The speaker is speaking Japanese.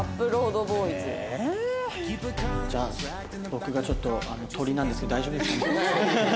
僕がちょっとトリなんですけど大丈夫ですかね？